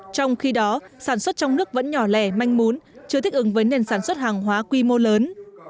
trong khi đó sản xuất trong nước vẫn nhỏ lẻ manh mún chưa thích ứng với nền sản xuất hàng hóa quy mô lớn